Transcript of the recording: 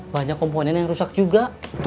banyak komponen yang rusak juga